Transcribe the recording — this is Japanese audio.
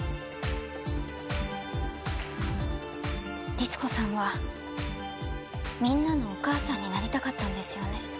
律子さんはみんなのお母さんになりたかったんですよね？